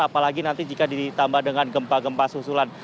apalagi nanti jika ditambah dengan gempa gempa susulan